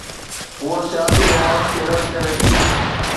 هوءَ سياسي رومانس کي رد ڪري ٿي.